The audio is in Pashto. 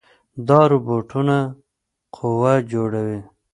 دا روباټونه قهوه جوړوي.